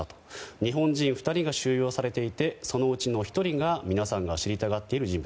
日本人２人が収容されていてそのうちの１人が皆さんが知りたがっている人物